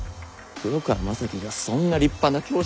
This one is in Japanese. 黒川政樹がそんな立派な教師ならな